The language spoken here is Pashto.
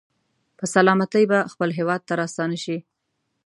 په سلامتۍ به خپل هېواد ته راستانه شي.